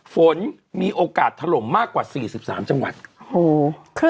ฝนมีโอกาสถล่มมากกว่าสี่สิบสามจังหวัดโอ้โห